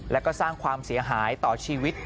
และก็สร้างความเสียหายต่อชีวิต